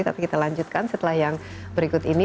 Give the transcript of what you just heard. tapi kita lanjutkan setelah yang berikut ini